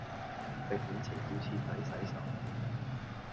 食野前要徹底洗手